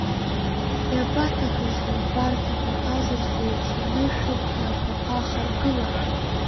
Иабаҭахыз убарҭ иҭахаз рзеиԥш нышәынҭра абаҟа ахаргылара?